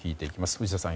藤田さん